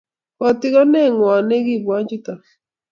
Kotigonnetngwong nekiibwo chuto